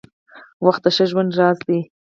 • وخت د ښه ژوند راز دی.